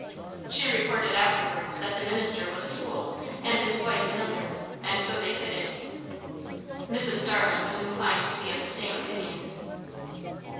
She reported afterwards that the minister was a fool and his wife another, and so they fitted. Mrs. Starling was inclined to be of the same opinion.